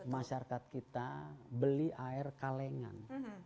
masyarakat kita beli air kalengan